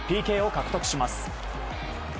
ＰＫを獲得します。